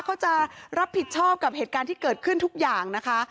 เขาจะรับผิดชอบกับเหตุการณ์ที่เกิดขึ้นทุกอย่างนะคะ